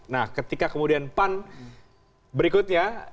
nah ketika kemudian pan berikutnya